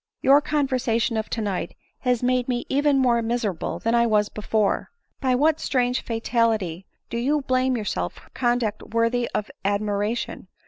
Your conver sation of to night has made me even more miserable than I was before. By what strange fatality do you blame yourself for conduct worthy of admiration